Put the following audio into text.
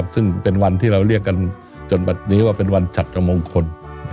ซึ่งเป็นวันที่เราเรียกกันจนบัดนี้ว่าเป็นวันฉัดกับมงคล